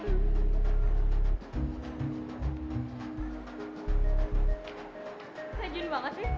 rajin banget sih